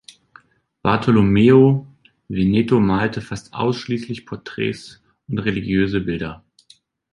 Bartolomeo Veneto malte fast ausschließlich Porträts und religiöse Bilder.